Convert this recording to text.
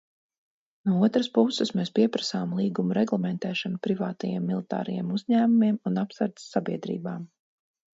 No otras puses, mēs pieprasām līgumu reglamentēšanu privātajiem militārajiem uzņēmumiem un apsardzes sabiedrībām.